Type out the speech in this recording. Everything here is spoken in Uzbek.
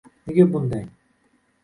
Nega bunday?